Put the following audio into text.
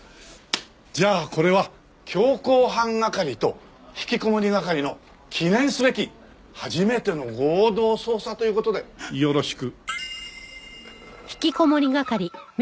じゃあこれは強行犯係とひきこもり係の記念すべき初めての合同捜査という事でよろしく。